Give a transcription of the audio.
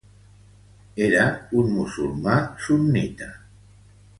Era un musulmà sunnita.